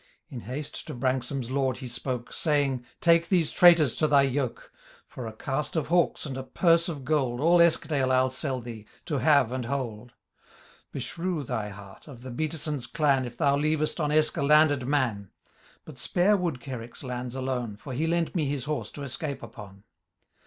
Id haste to Branksome^s Lord he spoke. Saying, —Take these traitors to thy yoke ; For a cast of hawks, and a purse of gold. All Eskdale I'll sell tiiee, to have and hold : fieshrew thy. heart, of the Beattisons* clan If thou leayest on Eske a landed man ; But spare Woodkerrick's lands alone. For he lent me his horse to escape upoo.